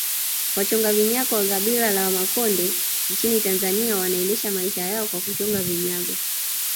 Wachonga vinyago wa kabila la Wamakonde nchini Tanzania wanaendesha maisha yao kwa kuchonga vinyago